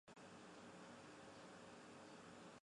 之后作为越南共和国海军的顾问赶往越南战争前线。